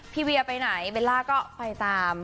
พี่เวียไปไหนเวลาก็ไปตาม